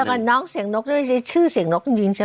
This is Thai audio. น้องเสียงนกจะไม่ใช้ชื่อเสียงนกจริงใช่มั้ย